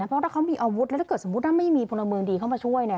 เพราะว่าถ้าเขามีอาวุธแล้วถ้าเกิดสมมติไม่มีพลเมิงดีเข้ามาช่วย